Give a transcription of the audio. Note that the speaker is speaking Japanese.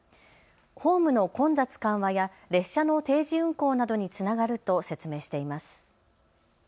ホームの混雑緩和や列車の定時運行などにつながると説明しています。